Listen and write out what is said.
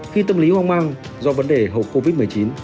khi tâm lý hoang mang do vấn đề hậu covid một mươi chín